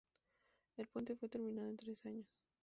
El puente fue terminado en tres años.